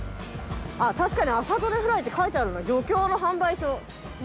確かに「朝どれフライ」って書いてあるな漁協の販売所。